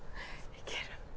いける？